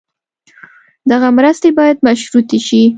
دغه مرستې باید مشروطې شي.